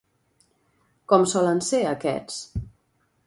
Com solen ser aquests?